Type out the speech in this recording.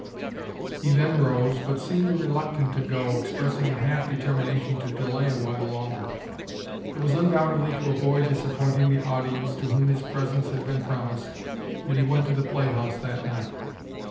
He then rose, but seemed reluctant to go, expressing a half determination to delay a while longer. It was undoubtedly to avoid disappointing the audience, to whom his presence had been promised, that he went to the play house that night.